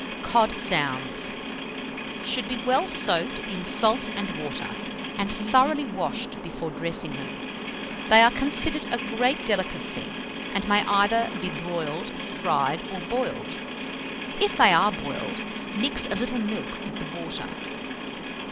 COD SOUNDS. Should be well soaked in salt and water, and thoroughly washed before dressing them. They are considered a great delicacy, and may either be broiled, fried, or boiled: if they are boiled, mix a little milk with the water.